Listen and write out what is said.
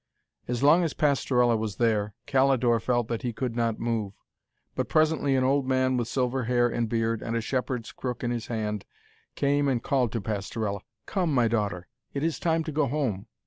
As long as Pastorella was there, Calidore felt that he could not move. But presently an old man with silver hair and beard, and a shepherd's crook in his hand, came and called to Pastorella, 'Come, my daughter, it is time to go home.'